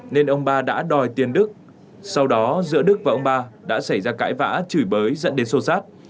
nên ông ba đã đòi tiền đức sau đó giữa đức và ông ba đã xảy ra cãi vã chửi bới dẫn đến sô sát